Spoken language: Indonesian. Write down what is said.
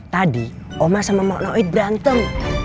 tadi oma sama mak noid berantem